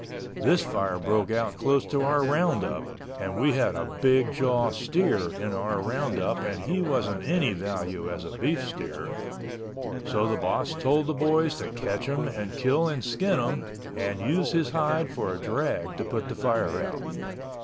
This fire broke out close to our roundup, and we had a big jaw steer in our roundup and he wasn't any value as a beef steer. So the boss told the boys to catch him and kill and skin him and use his hide for a drag to put the fire out.